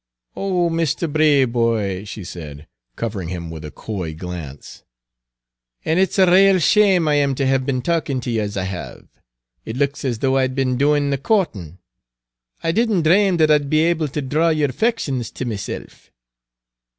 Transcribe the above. "Oh, Misther Braboy," she said, covering him with a coy glance, "an' it 's rale 'shamed I am to hev b'en talkin' ter ye ez I hev. It looks as though I'd b'en doin' the coortin'. I did n't drame that I'd b'en able ter draw yer affections to mesilf."